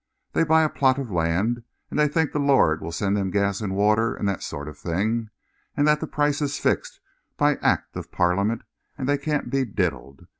They buy a plot of land, and they think the Lord will send them gas and water and that sort of thing, and that the price is fixed by Act of Parliament and they can't be diddled.